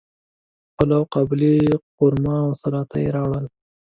پلاو، قابلی، قورمه او سلاطه یی راوړل